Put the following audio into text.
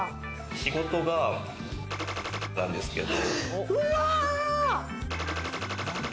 仕事が〇〇なんですけど。